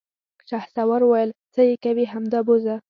شهسوار وويل: څه يې کوې، همدا بوځه!